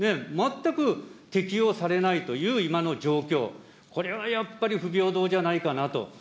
全く適用されないという今の状況、これはやっぱり不平等じゃないかなと。